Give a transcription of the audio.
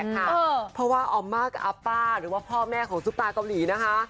เฮ้ยเค้ามาจริงอ่ะ